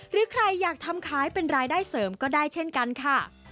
หรือใครอยากทำขายเป็นรายได้เสริมก็ได้เช่นกันค่ะ